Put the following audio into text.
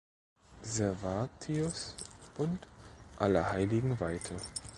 Servatius und aller Heiligen weihte.